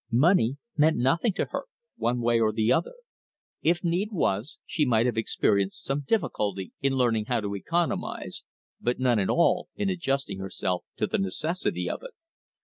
Money meant nothing to her, one way or the other. If need was, she might have experienced some difficulty in learning how to economize, but none at all in adjusting herself to the necessity of it.